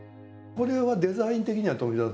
これはデザイン的には富澤さん？